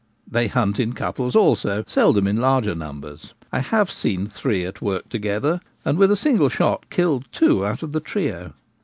They hunt in couples also — seldom in larger numbers. I have seen three at work together, and with a single shot killed two out of the trio.